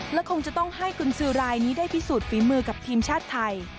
และคงจะต้องให้กุญสือรายนี้ได้พิสูจนฝีมือกับทีมชาติไทย